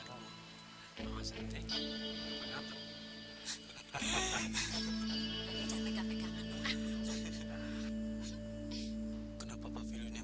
kok bisa kayak gitu nun